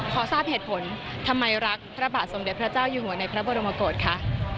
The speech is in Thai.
ทราบเหตุผลทำไมรักพระบาทสมเด็จพระเจ้าอยู่หัวในพระบรมกฏคะ